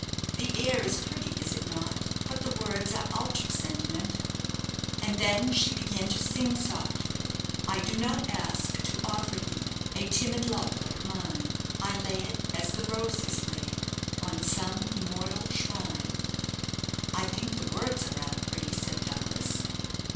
The air is pretty, is it not? But the words are ultra sentimental." And then she began to sing softly "I do not ask to offer thee A timid love like mine; I lay it, as the rose is laid, On some immortal shrine." "I think the words are rather pretty," said Douglas.